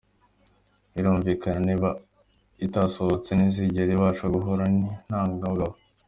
Birumvikana niba itasohotse ntizigera ibasha guhura nintangangabo.